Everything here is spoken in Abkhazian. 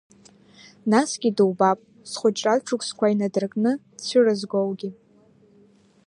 Насгьы дубап, зхәыҷратә шықәсқәа инадыркны дцәырызгоугьы.